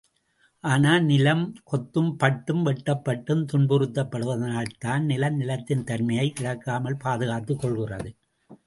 ஆனால், நிலம் கொத்தப் பட்டும், வெட்டப்பட்டும் துன்புறுத்தப் படுவதனால்தான் நிலம், நிலத்தின் தன்மையை இழக்காமல் பாதுகாத்துக் கொள்கிறது.